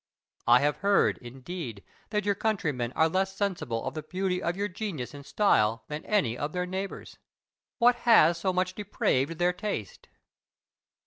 I have heard, indeed, that your countrymen are less sensible of the beauty of your genius and style than any of their neighbours. What has so much depraved their taste?